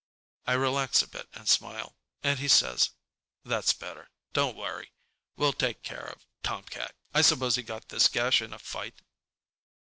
I relax a bit and smile, and he says, "That's better. Don't worry. We'll take care of tomcat. I suppose he got this gash in a fight?"